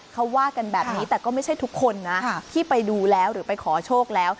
เขาว่ากันแบบนี้แต่ก็ไม่ใช่ทุกคนนะที่ไปดูแล้วหรือไปขอโชคแล้ว